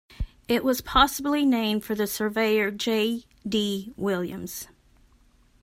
It was possibly named for the surveyor, J. D. Williams.